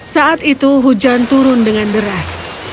saat itu hujan turun dengan deras